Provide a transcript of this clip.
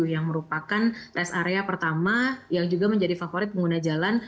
yang merupakan rest area pertama yang juga menjadi favorit pengguna jalan